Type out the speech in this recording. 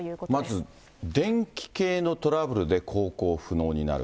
まず、電気系のトラブルで航行不能になる。